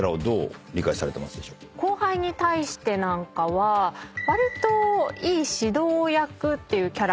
後輩に対してなんかはわりといい指導役っていうキャラクターなのかなと。